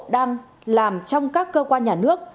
đang làm trong các cơ quan nhà nước